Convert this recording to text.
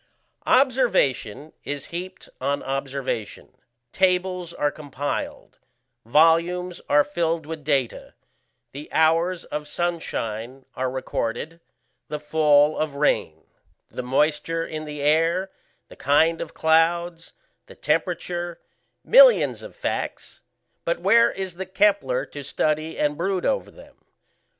Observation is heaped on observation; tables are compiled; volumes are filled with data; the hours of sunshine are recorded, the fall of rain, the moisture in the air, the kind of clouds, the temperature millions of facts; but where is the Kepler to study and brood over them?